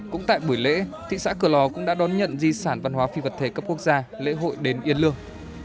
cũng tại buổi lễ thị xã cửa lò cũng đã đón nhận di sản văn hóa phi vật thể cấp quốc gia lễ hội đền yên lương